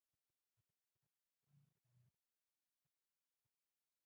هیلۍ اوږده منقار لري